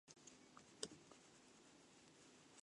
肩口を持った！